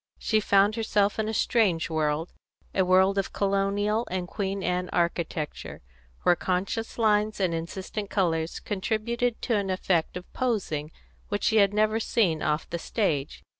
She found herself in a strange world a world of colonial and Queen Anne architecture, where conscious lines and insistent colours contributed to an effect of posing which she had never seen off the stage.